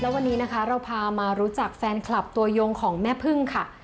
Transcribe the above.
วันนี้นะคะเราพามารู้จักแฟนคลับตัวยงของแม่พึ่งค่ะ